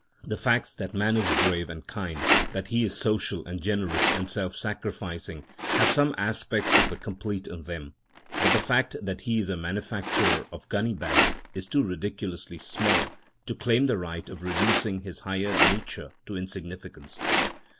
The facts that man is brave and kind, that he is social and generous and self sacrificing, have some aspect of the complete in them; but the fact that he is a manufacturer of gunny bags is too ridiculously small to claim the right of reducing his higher nature to insignificance.